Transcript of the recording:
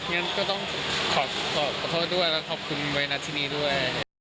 งั้นก็ต้องขอโทษด้วยและขอบคุณไวรัสที่นี่ด้วย